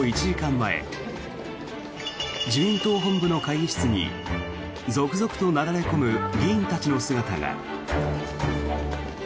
前自民党本部の会議室に続々となだれ込む議員たちの姿が。